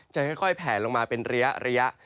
จะค่อยแผลลงมาเป็นระยะ